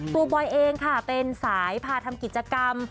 บอยเองค่ะเป็นสายพาทำกิจกรรม